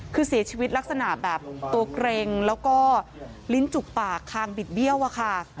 คือเสียชีวิตลักษณะแบบตัวเกร็งแล้วก็ลิ้นจุกปากคางบิดเบี้ยวอะค่ะ